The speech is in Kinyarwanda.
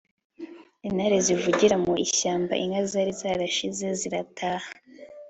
intare zivugira mu ishyamba, inka zari zarashize zirataha